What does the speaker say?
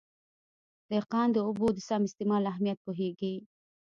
دهقان د اوبو د سم استعمال اهمیت پوهېږي.